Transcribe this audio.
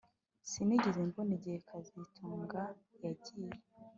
Sinigeze mbona igihe kazitunga yagiye